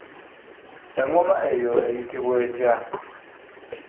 Engoma eyo eyitibwa etya?